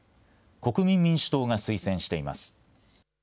国民民主党が推薦しています。